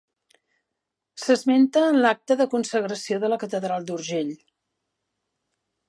S'esmenta en l'acta de consagració de la catedral d'Urgell.